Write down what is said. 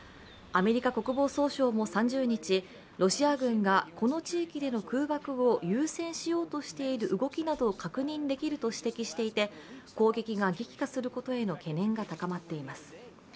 アメリカ国防総省も３０日、ロシア軍がこの地域での空爆を優先しようとしている動きなどを確認できると指摘していて攻撃が激化することへの懸念が高まっています。